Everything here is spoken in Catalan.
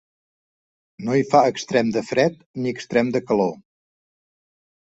No hi fa extrem de fred ni extrem de calor.